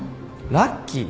ラッキー？